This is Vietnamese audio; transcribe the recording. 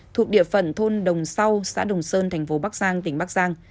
thuộc địa phận thôn đồng sau xã đồng sơn tp bắc giang tỉnh bắc giang